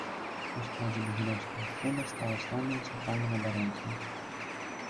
У складзе магілёўскага клуба стаў асноўным цэнтральным абаронцам.